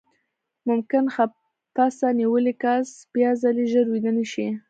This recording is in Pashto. ممکن خپسه نیولی کس بیاځلې ژر ویده نه شي.